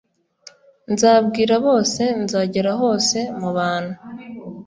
nzabwira bose, nzagera hose, mu bantu